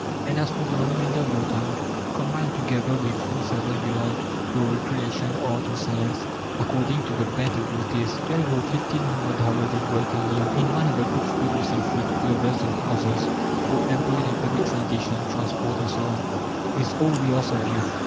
And as for the remainder of your time, combine together with whomsoever you like, for recreation, art, or science, according to the bent of your taste. "Twelve or fifteen hundred hours of work a year, in one of the groups producing food, clothes, or houses, or employed in public sanitation, transport, and so on, is all we ask of you.